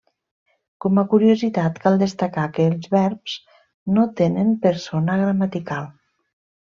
Com a curiositat, cal destacar que els verbs no tenen persona gramatical.